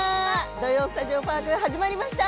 「土曜スタジオパーク」始まりました！